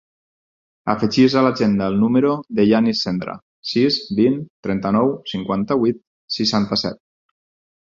Afegeix a l'agenda el número del Yanis Sendra: sis, vint, trenta-nou, cinquanta-vuit, seixanta-set.